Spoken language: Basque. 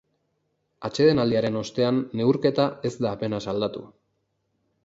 Atsedenaldiaren ostean neurketa ez da apenas aldatu.